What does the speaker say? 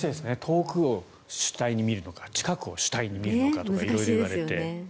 遠くを主体に見るのか近くを主体に見るのかとか色々言われていて。